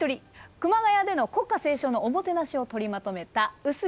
熊谷での国歌斉唱のおもてなしを取りまとめた臼杵健さんです。